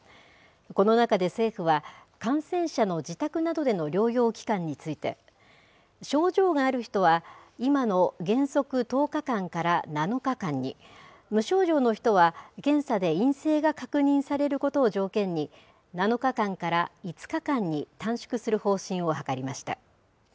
この中で政府は、感染者の自宅などでの療養期間について、症状がある人は今の原則１０日間から７日間に、無症状の人は検査で陰性が確認されることを条件に７日間から５日間に短縮する方針を諮りました。